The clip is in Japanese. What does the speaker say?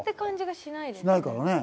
しないからね。